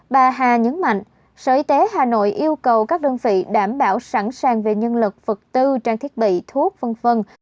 bà hà nhấn mạnh sở y tế hà nội yêu cầu các đơn vị đảm bảo sẵn sàng về nhân lực vật tư trang thiết bị thuốc v v